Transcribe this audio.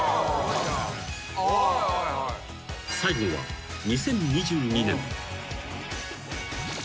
［最後は２０２２年］